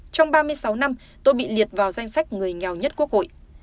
trong ba mươi sáu năm tôi bị liệt vào danh sách người nghèo nhất quốc hội